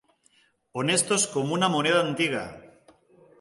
Honestos com una moneda antiga.